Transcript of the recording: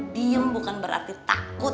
diem bukan berarti takut